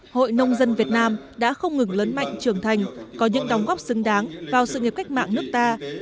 hội nông dân việt nam đã không ngừng lớn mạnh trưởng thành có những đóng góp xứng đáng vào sự nghiệp cách mạng nước ta